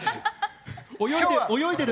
泳いでる！